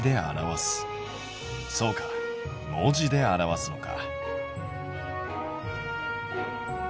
そうか文字で表すのか。